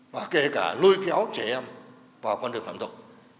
và kể cả nuôi kéo trẻ em vào quan trọng phạm thuộc